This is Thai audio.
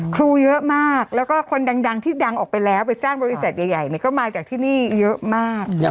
ครูเยอะมากแล้วก็คนดังที่ดังออกไปแล้วไปสร้างบริษัทใหญ่ก็มาจากที่นี่เยอะมาก